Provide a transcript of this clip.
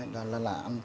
đó là lạ